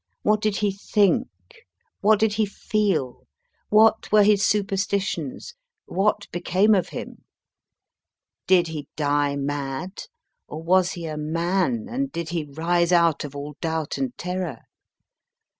What did he think ? What did he feel ? What were his superstitions ? What be came of him ? Did he die mad, or was he a MAN, and did he rise out of all doubt and terror